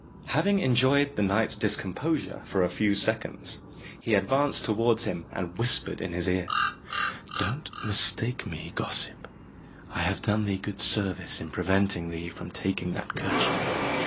Having enjoyed the knight's discomposure for a few seconds, he advanced towards him, and whispered in his ear, "Don't mistake me, gossip. I have done thee good service in preventing thee from taking that kerchief.